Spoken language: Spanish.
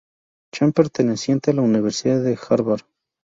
Chan perteneciente a la Universidad de Harvard.